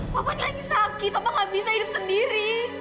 papa lagi sakit papa gak bisa hidup sendiri